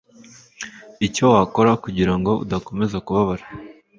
Icyo wakora kugira ngo udakomeza kubabara